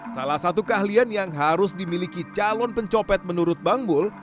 salah satu keahlian yang harus dimiliki calon pencopet menurut bang bul